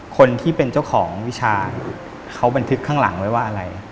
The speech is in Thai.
คนที่เป็นเจ้าของวิชาเขาบันทึกข้างหลังไว้ว่าอะไร